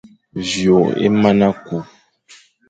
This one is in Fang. Vyo é mana kü,